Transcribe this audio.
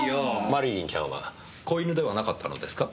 マリリンちゃんは子犬ではなかったのですか？